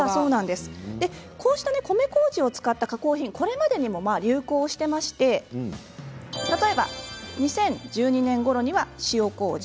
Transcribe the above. こうした米こうじを使った加工品はこれまでにも流行していまして例えば２０１２年ごろには塩こうじ。